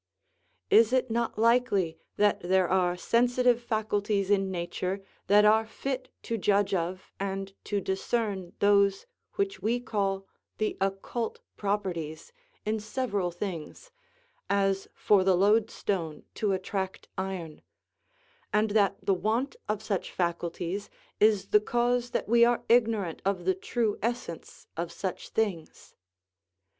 Is it not likely that there are sensitive faculties in nature that are fit to judge of and to discern those which we call the occult properties in several things, as for the loadstone to attract iron; and that the want of such faculties is the cause that we are ignorant of the true essence of such things?